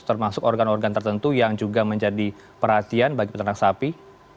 termasuk organ organ tertentu yang juga menjadi perhatian bagi peternak sapi